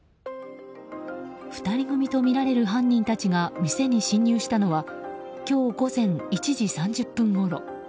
２人組とみられる犯人たちが店に侵入したのは今日午前１時３０分ごろ。